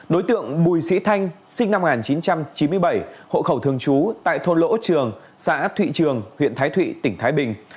đối tượng bùi sĩ thanh sinh năm một nghìn chín trăm chín mươi bảy hộ khẩu thường trú tại thôn lỗ trường xã thụy trường huyện thái thụy tỉnh thái bình